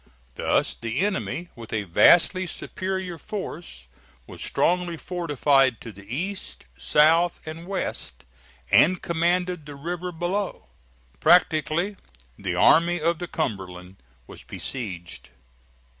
Thus the enemy, with a vastly superior force, was strongly fortified to the east, south, and west, and commanded the river below. Practically, the Army of the Cumberland was besieged.